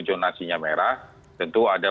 jonasinya merah tentu ada